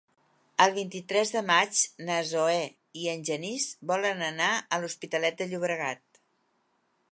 El vint-i-tres de maig na Zoè i en Genís volen anar a l'Hospitalet de Llobregat.